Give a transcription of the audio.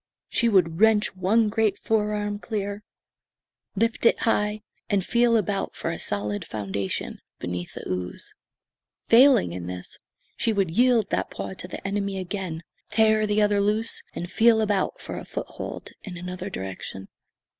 She would wrench one great fore arm clear, lift it high, and feel about for a solid foundation beneath the ooze. Failing in this, she would yield that paw to the enemy again, tear the other loose, and feel about for a foothold in another direction.